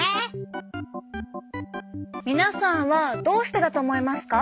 皆さんはどうしてだと思いますか？